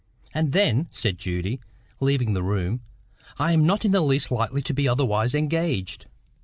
"And then," said Judy, leaving the room, "I am not in the least likely to be otherwise engaged."